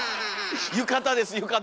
浴衣です浴衣！